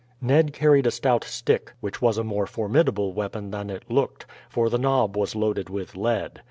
Ned carried a stout stick; which was a more formidable weapon than it looked, for the knob was loaded with lead.